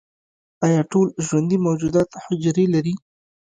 ایا ټول ژوندي موجودات حجرې لري؟